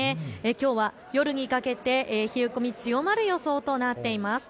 きょうは夜にかけて冷え込み、強まる予想となっています。